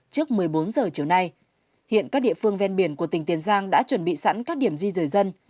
trước một mươi bốn giờ chiều nay hiện các địa phương ven biển của tỉnh tiền giang đã chuẩn bị sẵn các điểm di rời dân